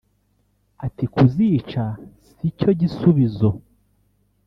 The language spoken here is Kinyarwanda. Ati “Kuzica si cyo gisubizo